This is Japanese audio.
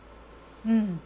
うん。